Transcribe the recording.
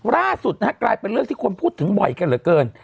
ล่าสุดนะฮะกลายเป็นเรื่องที่คนพูดถึงบ่อยกันเหลือเกิน